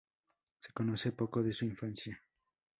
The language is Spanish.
Se conoce poco de su infancia.